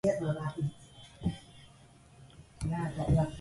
しばらく吠って、それから泡を吐いて死んでしまいました